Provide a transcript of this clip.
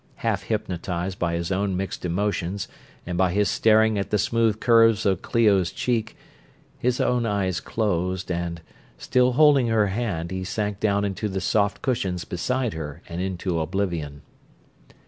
Half hypnotized by his own mixed emotions and by his staring at the smooth curves of Clio's cheek, his own eyes closed and, still holding her hand, he sank down into the soft cushions beside her and into oblivion.